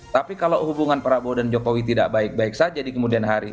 tapi kalau hubungan prabowo dan jokowi tidak baik baik saja di kemudian hari